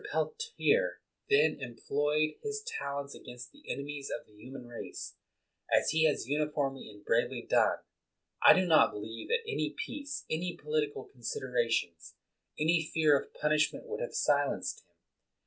Peltier then em ployed his talents against the enemies of the human race, as he has uniformly and bravely done. I do not believe that any peace, any po litical considerations, any fear of punishment would have silenced him.